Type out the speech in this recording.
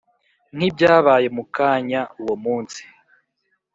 nkibyabaye mukanya, uwo munsi